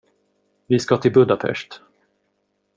Vi ska till Budapest.